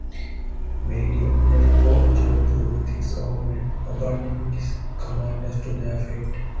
Maldeo left for Jodhpur with his own men, abandoning his commanders to their fate.